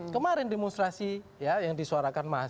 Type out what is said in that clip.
kemarin demonstrasi ya yang disuarakan mas budi